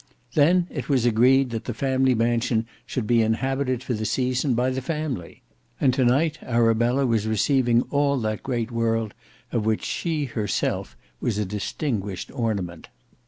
Then it was agreed that the family mansion should be inhabited for the season by the family; and to night Arabella was receiving all that great world of which she herself was a distinguished ornament.